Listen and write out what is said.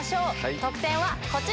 得点はこちら。